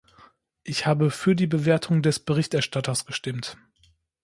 Ich habe für die Bewertung des Berichterstatters gestimmt.